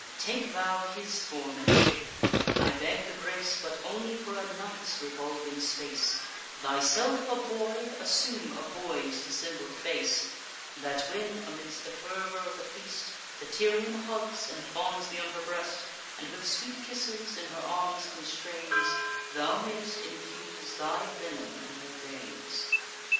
Take thou his form and shape. I beg the grace But only for a night's revolving space: Thyself a boy, assume a boy's dissembled face; That when, amidst the fervour of the feast, The Tyrian hugs and fonds thee on her breast, And with sweet kisses in her arms constrains, Thou may'st infuse thy venom in her veins."